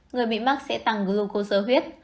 người bị mắc sẽ tăng glucosa huyết